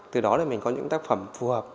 từ đó mình có những tác phẩm phù hợp